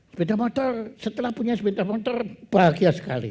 sepeda motor setelah punya sepeda motor bahagia sekali